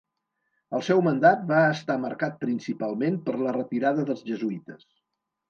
El seu mandat va estar marcat principalment per la retirada dels jesuïtes.